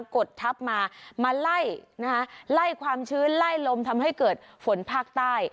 กดทับมามาไล่นะคะไล่ความชื้นไล่ลมทำให้เกิดฝนภาคใต้